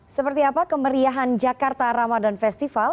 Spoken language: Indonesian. seperti apa kemeriahan jakarta ramadan festival